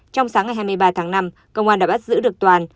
trong sáng ngày hai mươi ba tháng năm công an đã bắt giữ được toàn